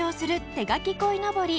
手描き鯉のぼり